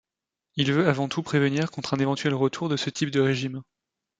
Il veut avant tout prévenir contre un éventuel retour de ce type de régime.